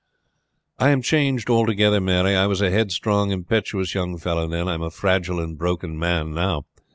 "I am changed altogether, Mary. I was a headstrong, impetuous young fellow then. I am a fragile and broken man now.